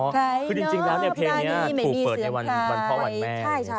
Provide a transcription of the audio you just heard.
คือจริงแล้วเนี่ยเพลงนี้ถูกเปิดในวันพ่อวันแม่